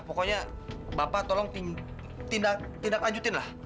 pokoknya bapak tolong tindak lanjutin lah